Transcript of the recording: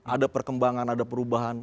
ada perkembangan ada perubahan